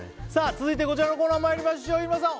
続いてこちらのコーナーまいりましょう日村さん